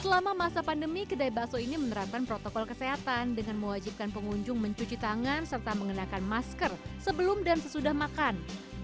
selama masa pandemi kedai bakso ini menerapkan protokol kesehatan dengan mewajibkan pengunjung mencuci tangan serta mengenakan masker sebelum dan sesudah makan